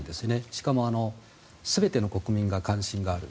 しかも、全ての国民が関心がある。